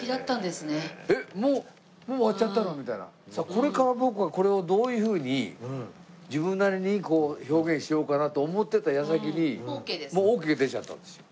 これから僕はこれをどういうふうに自分なりに表現しようかなと思ってた矢先にもうオーケー出ちゃったんですよ。